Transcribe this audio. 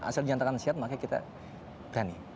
asal diantarkan sehat makanya kita berani